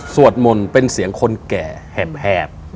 สวดมนต์เป็นเสียงคนแก่แหบ